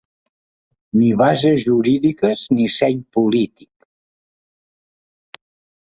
Ni bases jurídiques, ni seny polític!